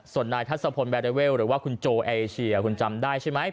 ส่วนนายทัศพลแบเดเวลหรือว่าคุณโจเอเชียคุณจำได้ใช่ไหม